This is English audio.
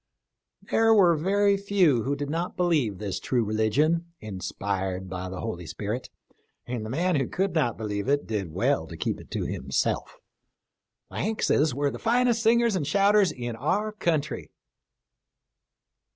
There were very few who did not believe this true religion, inspired by the Holy Spirit, and the man who could not believe it, did well to keep it to himself. The Hankses were the finest singers and shouters in our country."